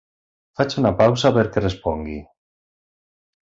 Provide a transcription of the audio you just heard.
Faig una pausa perquè respongui.